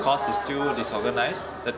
karena masih terlalu berdisiorganisasi